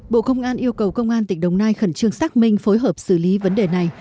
bộ công an yêu cầu công an tỉnh đồng nai khẩn trương xác minh phối hợp xử lý vấn đề này